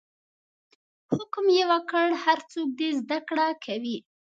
حکم یې وکړ هر څوک دې زده کړه کوي.